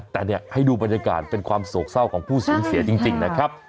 แต่เนี่ยให้ดูบรรยากาศเป็นความโศกเศร้าของผู้สูญเสียจริงนะครับ